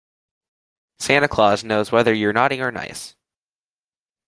Santa Claus knows whether you're naughty or nice.